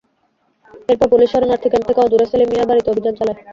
এরপর পুলিশ শরণার্থী ক্যাম্প থেকে অদূরে সেলিম মিয়ার বাড়িতে অভিযান চালায়।